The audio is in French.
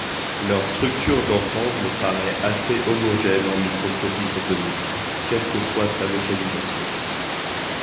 Leur structure d’ensemble paraît assez homogène en microscopie photonique, quelle que soit la localisation.